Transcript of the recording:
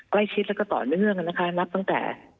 ใกล้ชิดแล้วก็ต่อเนื่องนะคะนับตั้งแต่